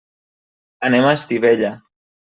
Anem a Estivella.